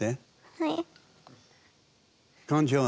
はい。